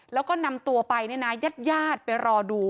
แล้วก็นำตัวไปเนี่ยนะยาดไปรอดู